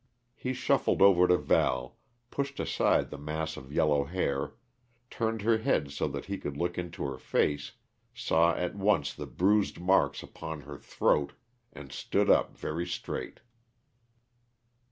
He shuffled over to Val, pushed aside the mass of yellow hair, turned her head so that he could look into her face, saw at once the bruised marks upon her throat, and stood up very straight.